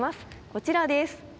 こちらです。